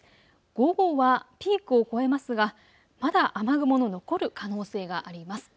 午後はピークを越えますが、まだ雨雲の残る可能性があります。